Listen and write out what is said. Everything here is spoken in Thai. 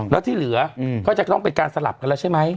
แล้วที่เหลือก็จะต้องเป็นการสลับกันแล้วใช่ไหม